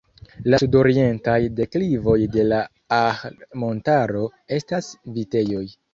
La sudorientaj deklivoj de la Ahr-montaro estas vitejoj.